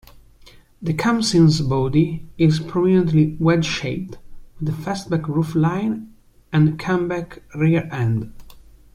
The Khamsin's body is prominently wedge-shaped, with a fastback roofline and kammback rear end.